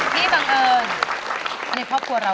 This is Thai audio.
และนานี่ซาลา